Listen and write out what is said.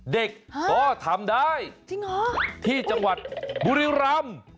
เด็กก็ทำได้ที่จังหวัดบุริรัมณ์จริงเหรอ